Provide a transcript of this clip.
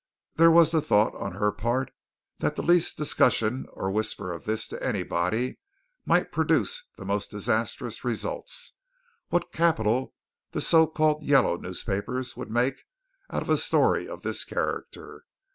There was the thought on her part that the least discussion or whisper of this to anybody might produce the most disastrous results. What capital the so called "Yellow" newspapers would make out of a story of this character.